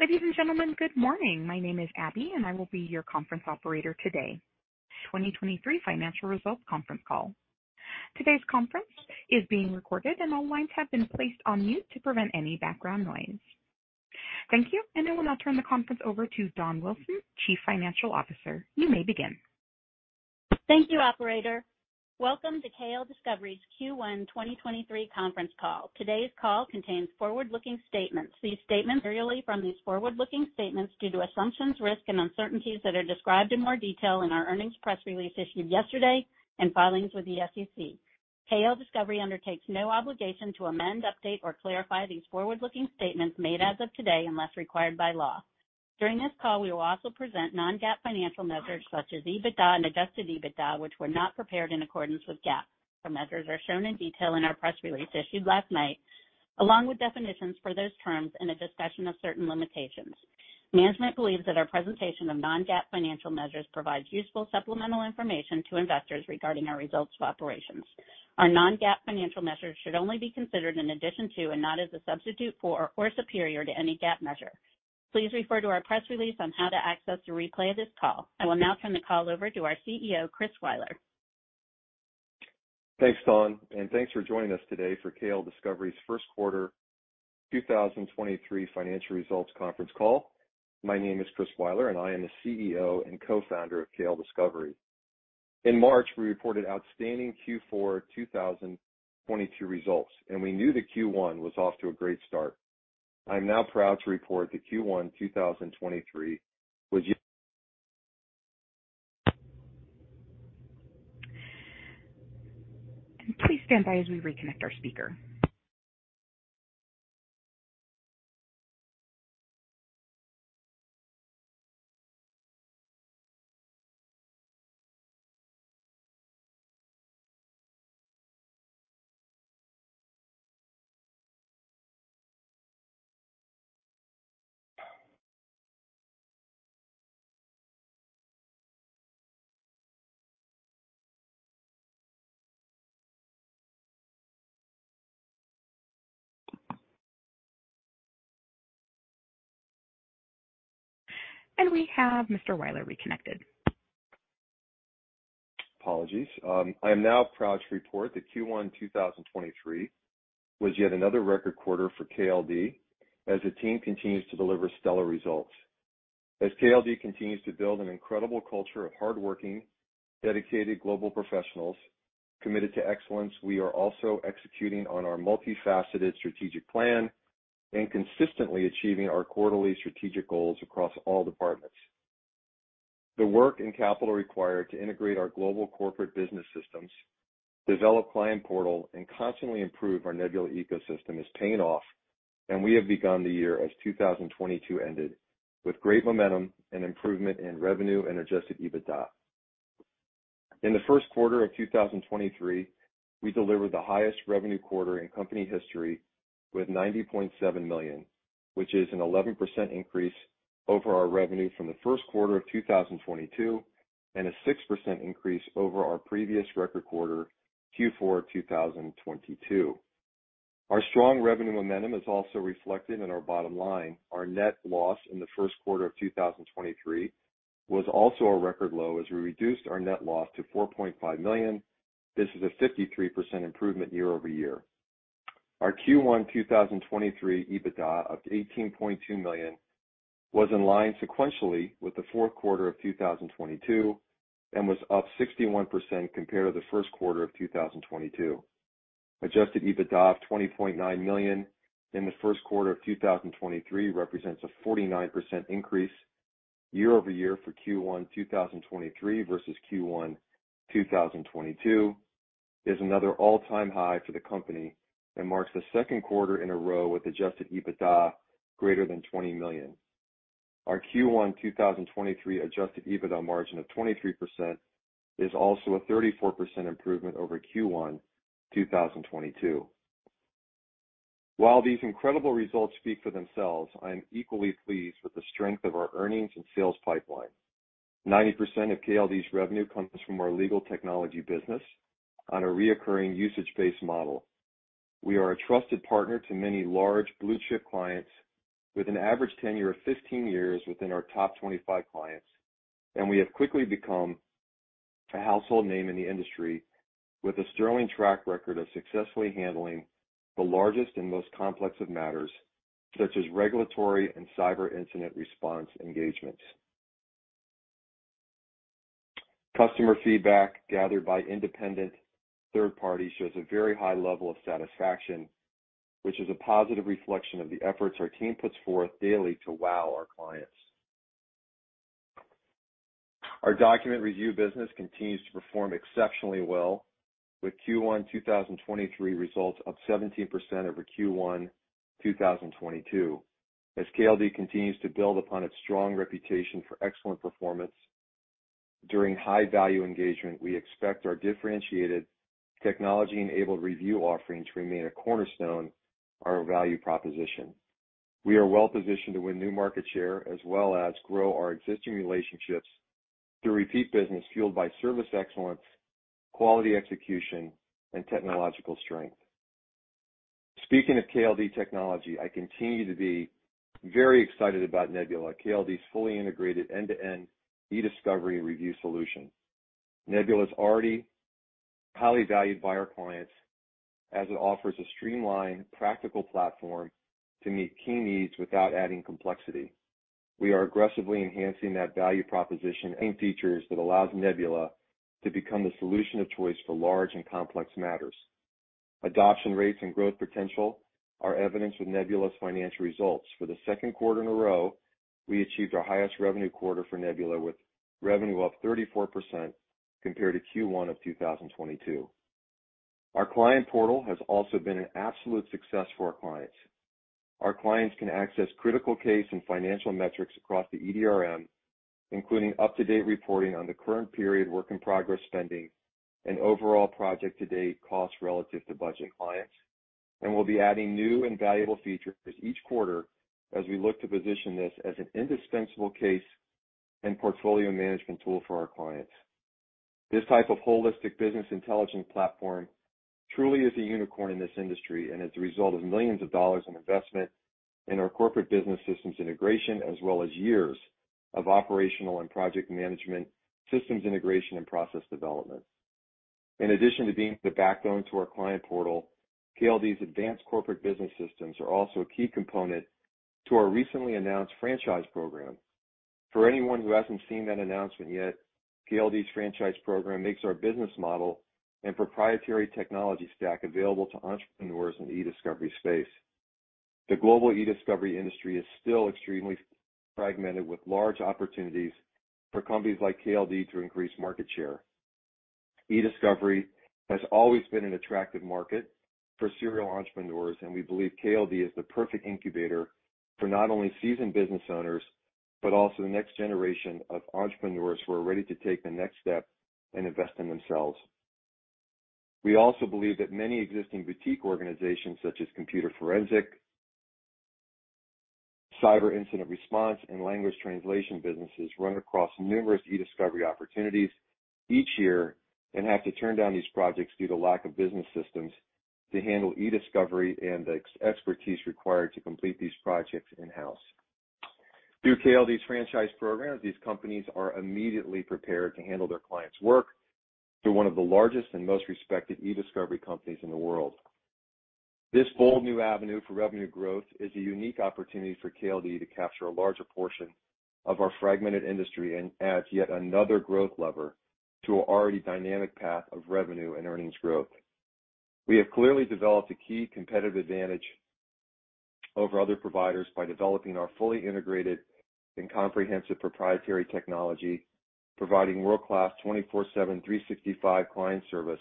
Ladies and gentlemen, good morning. My name is Abby. I will be your conference operator today. 2023 financial results conference call. Today's conference is being recorded. All lines have been placed on mute to prevent any background noise. Thank you. I will now turn the conference over to Dawn Wilson, Chief Financial Officer. You may begin. Thank you, Operator. Welcome to KLDiscovery's Q1 2023 conference call. Today's call contains forward-looking statements. These statements, really, from these forward-looking statements due to assumptions, risks, and uncertainties that are described in more detail in our earnings press release issued yesterday and filings with the SEC. KLDiscovery undertakes no obligation to amend, update, or clarify these forward-looking statements made as of today unless required by law. During this call, we will also present non-GAAP financial measures such as EBITDA and adjusted EBITDA, which were not prepared in accordance with GAAP. Our measures are shown in detail in our press release issued last night, along with definitions for those terms and a discussion of certain limitations. Management believes that our presentation of non-GAAP financial measures provides useful supplemental information to investors regarding our results of operations. Our non-GAAP financial measures should only be considered in addition to and not as a substitute for or superior to any GAAP measure. Please refer to our press release on how to access the replay of this call. I will now turn the call over to our CEO, Chris Weiler. Thanks, Dawn. Thanks for joining us today for KLDiscovery's first quarter 2023 financial results conference call. My name is Chris Weiler, I am the CEO and Co-founder of KLDiscovery. In March, we reported outstanding Q4 2022 results, we knew that Q1 was off to a great start. I am now proud to report that Q1 2023 was Please stand by as we reconnect our speaker. We have Mr. Weiler reconnected. Apologies. I am now proud to report that Q1 2023 was yet another record quarter for KLD as the team continues to deliver stellar results. As KLD continues to build an incredible culture of hardworking, dedicated global professionals committed to excellence, we are also executing on our multifaceted strategic plan and consistently achieving our quarterly strategic goals across all departments. The work and capital required to integrate our global corporate business systems, develop Client Portal, and constantly improve our Nebula ecosystem is paying off, and we have begun the year as 2022 ended, with great momentum and improvement in revenue and adjusted EBITDA. In the first quarter of 2023, we delivered the highest revenue quarter in company history with $90.7 million, which is an 11% increase over our revenue from the first quarter of 2022 and a 6% increase over our previous record quarter, Q4 2022. Our strong revenue momentum is also reflected in our bottom line. Our net loss in the first quarter of 2023 was also a record low as we reduced our net loss to $4.5 million. This is a 53% improvement year-over-year. Our Q1 2023 EBITDA of $18.2 million was in line sequentially with the fourth quarter of 2022 and was up 61% compared to the first quarter of 2022. Adjusted EBITDA of $20.9 million in the first quarter of 2023 represents a 49% increase year-over-year for Q1 2023 versus Q1 2022 is another all-time high for the company and marks the second quarter in a row with adjusted EBITDA greater than $20 million. Our Q1 2023 adjusted EBITDA margin of 23% is also a 34% improvement over Q1 2022. While these incredible results speak for themselves, I am equally pleased with the strength of our earnings and sales pipeline. 90% of KLD's revenue comes from our legal technology business on a reoccurring usage-based model. We are a trusted partner to many large blue-chip clients with an average tenure of 15 years within our top 25 clients. We have quickly become a household name in the industry with a sterling track record of successfully handling the largest and most complex of matters, such as regulatory and cyber incident response engagements. Customer feedback gathered by independent third parties shows a very high level of satisfaction, which is a positive reflection of the efforts our team puts forth daily to wow our clients. Our document review business continues to perform exceptionally well, with Q1 2023 results up 17% over Q1 2022. As KLD continues to build upon its strong reputation for excellent performance during high-value engagement, we expect our differentiated technology-enabled review offerings to remain a cornerstone of our value proposition. We are well-positioned to win new market share as well as grow our existing relationships. To repeat business fueled by service excellence, quality execution and technological strength. Speaking of KLD technology, I continue to be very excited about Nebula, KLD's fully integrated end-to-end eDiscovery review solution. Nebula is already highly valued by our clients as it offers a streamlined, practical platform to meet key needs without adding complexity. We are aggressively enhancing that value proposition and features that allows Nebula to become the solution of choice for large and complex matters. Adoption rates and growth potential are evidence of Nebula's financial results. For the second quarter in a row, we achieved our highest revenue quarter for Nebula, with revenue up 34% compared to Q1 of 2022. Our Client Portal has also been an absolute success for our clients. Our clients can access critical case and financial metrics across the EDRM, including up-to-date reporting on the current period, work in progress spending and overall project to-date costs relative to budget clients. We'll be adding new and valuable features each quarter as we look to position this as an indispensable case and portfolio management tool for our clients. This type of holistic business intelligence platform truly is a unicorn in this industry and is the result of millions of dollars in investment in our corporate business systems integration as well as years of operational and project management systems integration and process development. In addition to being the backbone to our Client Portal, KLD's advanced corporate business systems are also a key component to our recently announced Franchise Program. For anyone who hasn't seen that announcement yet, KLD's Franchise Program makes our business model and proprietary technology stack available to entrepreneurs in the eDiscovery space. The global eDiscovery industry is still extremely fragmented, with large opportunities for companies like KLD to increase market share. eDiscovery has always been an attractive market for serial entrepreneurs, and we believe KLD is the perfect incubator for not only seasoned business owners, but also the next generation of entrepreneurs who are ready to take the next step and invest in themselves. We also believe that many existing boutique organizations such as computer forensic, cyber incident response, and language translation businesses run across numerous eDiscovery opportunities each year and have to turn down these projects due to lack of business systems to handle eDiscovery and the expertise required to complete these projects in-house. Through KLD's Franchise Program, these companies are immediately prepared to handle their clients' work through one of the largest and most respected eDiscovery companies in the world. This bold new avenue for revenue growth is a unique opportunity for KLD to capture a larger portion of our fragmented industry and adds yet another growth lever to an already dynamic path of revenue and earnings growth. We have clearly developed a key competitive advantage over other providers by developing our fully integrated and comprehensive proprietary technology, providing world-class 24/7, 365 client service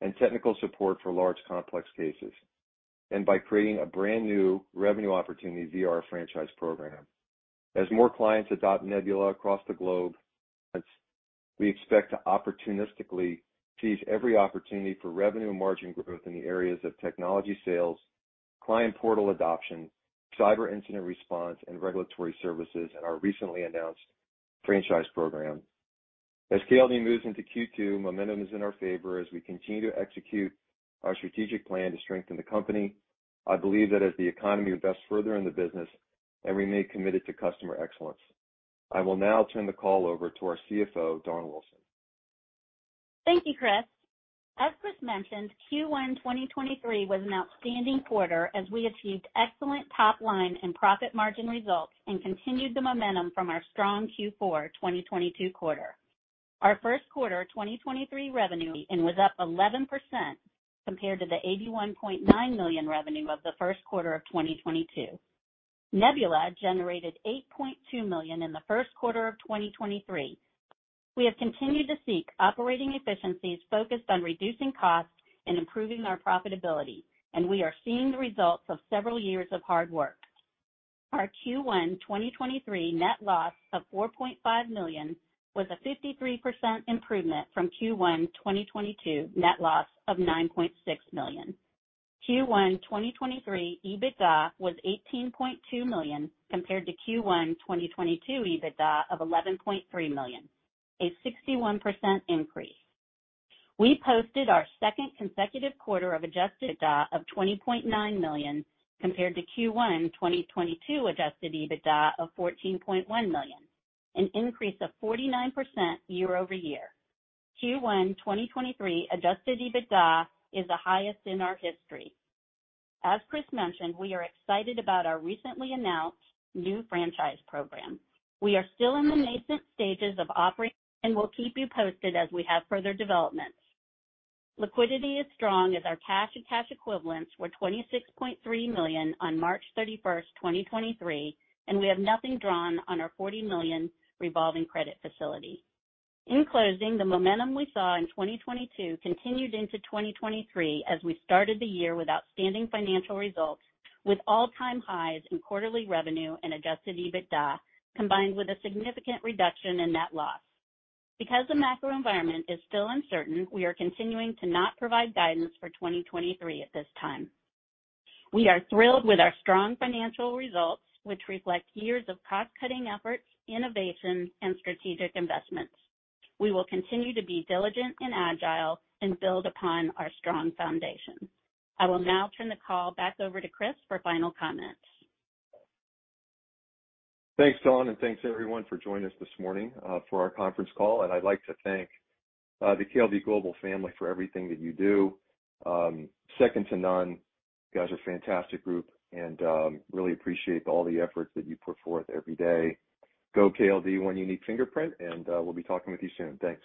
and technical support for large, complex cases, and by creating a brand-new revenue opportunity via our Franchise Program. As more clients adopt Nebula across the globe, we expect to opportunistically seize every opportunity for revenue and margin growth in the areas of technology sales, Client Portal adoption, cyber incident response and regulatory services in our recently announced Franchise Program. As KLD moves into Q2, momentum is in our favor as we continue to execute our strategic plan to strengthen the company. I believe that as the economy invests further in the business and remain committed to customer excellence. I will now turn the call over to our CFO, Dawn. Thank you, Chris. As Chris mentioned, Q1 2023 was an outstanding quarter as we achieved excellent top line and profit margin results and continued the momentum from our strong Q4 2022 quarter. Our first quarter 2023 revenue and was up 11% compared to the $81.9 million revenue of the first quarter of 2022. Nebula generated $8.2 million in the first quarter of 2023. We have continued to seek operating efficiencies focused on reducing costs and improving our profitability, and we are seeing the results of several years of hard work. Our Q1 2023 net loss of $4.5 million was a 53% improvement from Q1 2022 net loss of $9.6 million. Q1 2023 EBITDA was $18.2 million compared to Q1 2022 EBITDA of $11.3 million, a 61% increase. We posted our second consecutive quarter of adjusted EBITDA of $20.9 million compared to Q1 2022 adjusted EBITDA of $14.1 million, an increase of 49% year-over-year. Q1 2023 adjusted EBITDA is the highest in our history. As Chris mentioned, we are excited about our recently announced new Franchise Program. We are still in the nascent stages of operating and will keep you posted as we have further developments. Liquidity is strong as our cash and cash equivalents were $26.3 million on March 31st, 2023, and we have nothing drawn on our $40 million revolving credit facility. In closing, the momentum we saw in 2022 continued into 2023 as we started the year with outstanding financial results with all-time highs in quarterly revenue and adjusted EBITDA, combined with a significant reduction in net loss. Because the macro environment is still uncertain, we are continuing to not provide guidance for 2023 at this time. We are thrilled with our strong financial results, which reflect years of cost-cutting efforts, innovation and strategic investments. We will continue to be diligent and agile and build upon our strong foundation. I will now turn the call back over to Chris for final comments. Thanks, Dawn, and thanks everyone for joining us this morning, for our conference call. I'd like to thank the KLD Global family for everything that you do. Second to none, you guys are a fantastic group and really appreciate all the efforts that you put forth every day. Go KLD, one unique fingerprint, and we'll be talking with you soon. Thanks.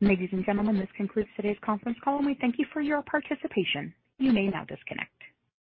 Ladies and gentlemen, this concludes today's conference call, and we thank you for your participation. You may now disconnect.